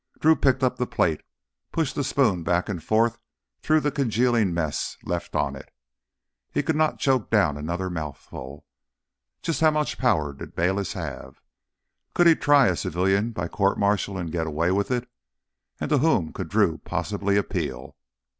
Drew picked up the plate, pushed the spoon back and forth through the congealing mess left on it. He could not choke down another mouthful. Just how much power did Bayliss have? Could he try a civilian by court martial and get away with it? And to whom could Drew possibly appeal?